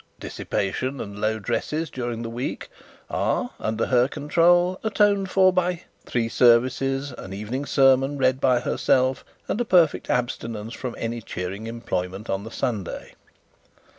Dissipation and low dresses during the week are, under her control, atoned for by three services, an evening sermon read by herself, and a perfect abstinence from any cheering employment on Sunday.